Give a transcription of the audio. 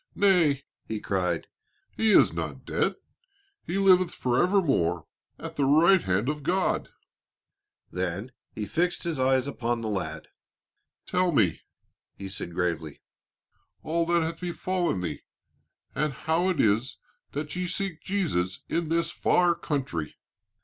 "Nay," he cried, "he is not dead, he liveth forever more at the right hand of God." Then he fixed his eyes upon the lad. "Tell me," he said gravely, "all that hath befallen thee, and how it is that ye seek Jesus in this far country."